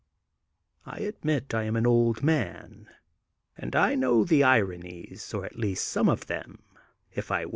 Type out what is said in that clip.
''I admit I am an old man, and I know the ironies, or at least some of them, if I win.